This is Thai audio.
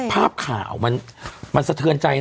ภาพข่าวมันสะเทือนใจนะ